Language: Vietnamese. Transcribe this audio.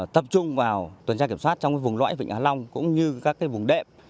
tập trung vào tuần tra kiểm soát trong vùng lõi vịnh hạ long cũng như các vùng đệm